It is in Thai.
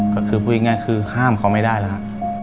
ก็คือพูดง่ายคือห้ามเขาไม่ได้แล้วฮะ